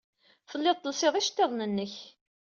Telliḍ telsiḍ iceḍḍiḍen-nnek.